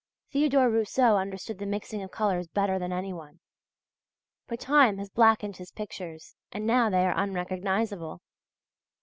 Theodore Rousseau understood the mixing of colours better than any one. But time has blackened his pictures and now they are unrecognizable.